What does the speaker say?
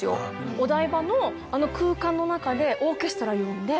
お台場のあの空間の中でオーケストラ呼んで。